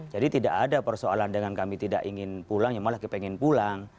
jadi tidak ada persoalan dengan kami tidak ingin pulang malah kami ingin pulang